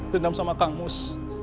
dendam sama kang mus